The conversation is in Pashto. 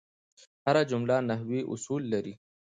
هره جمله نحوي اصول لري.